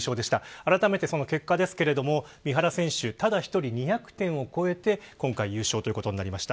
あらためて、その結果ですけど三原選手、ただ１人２００点を超えて今回優勝となりました。